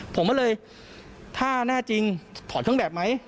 ผมก็เลยถ้าแน่จริงถอดเครื่องแบบไหม